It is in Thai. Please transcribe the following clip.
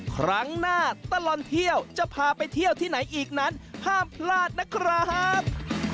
ครั้งหน้าตลอดเที่ยวจะพาไปเที่ยวที่ไหนอีกนั้นห้ามพลาดนะครับ